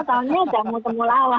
tanya jamu temulawak